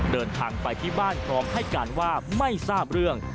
เดินทางไปที่บ้านพร้อมให้การว่าไม่ทราบเรื่อง